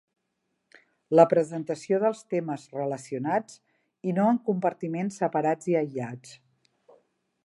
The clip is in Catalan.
La presentació dels temes relacionats i no en compartiments separats i aïllats.